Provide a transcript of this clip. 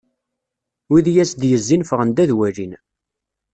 Wid i as-d-yezzin ffɣen-d ad walin.